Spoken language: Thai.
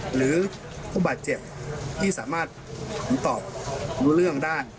หรือผู้บาดเจ็บที่สามารถตอบรู้เรื่องได้